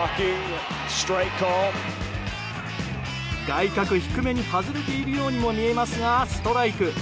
外角低めに外れているようにも見えますがストライク。